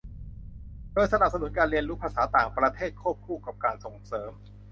โดยสนับสนุนการเรียนรู้ภาษาต่างประเทศควบคู่กับการส่งเสริม